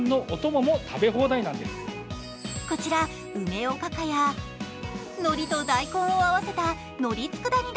こちら梅おかかやのりと大根を合わせた海苔佃煮